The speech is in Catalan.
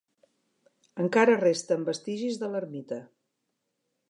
Encara resten vestigis de l'ermita.